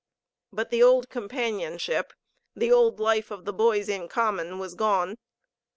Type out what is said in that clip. But the old companionship, the old life of the boys in common, was gone.